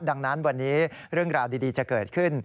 ดังนั้นวันนี้เรื่องราวดีจะเกิดขึ้น